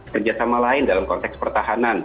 kerjasama lain dalam konteks pertahanan